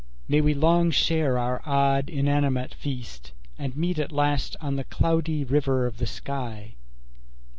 May we long share our odd, inanimate feast, And meet at last on the Cloudy River of the sky.